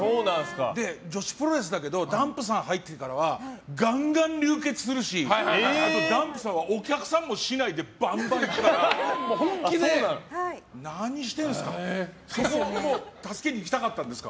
女子プロレスだけどダンプさんが入ってからはガンガン流血するしダンプさんはお客さんも竹刀でバンバンいくから何してるんですか。